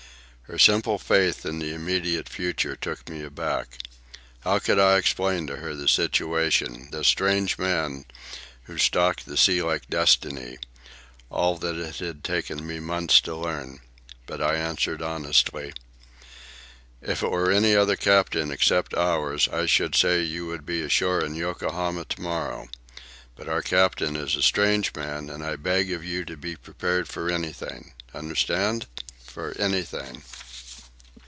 Her simple faith in the immediate future took me aback. How could I explain to her the situation, the strange man who stalked the sea like Destiny, all that it had taken me months to learn? But I answered honestly: "If it were any other captain except ours, I should say you would be ashore in Yokohama to morrow. But our captain is a strange man, and I beg of you to be prepared for anything—understand?—for anything."